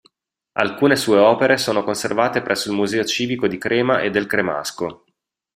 Alcune sue opere sono conservate presso il Museo civico di Crema e del Cremasco.